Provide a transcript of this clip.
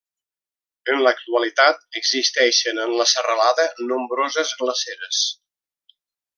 En l'actualitat, existeixen en la serralada nombroses glaceres.